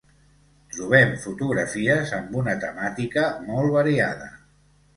Trobem fotografies amb una temàtica molt variada.